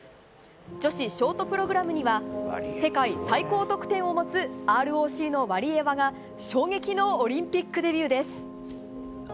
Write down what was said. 女子ショートプログラムには世界最高得点を持つＲＯＣのワリエワが衝撃のオリンピックデビューです。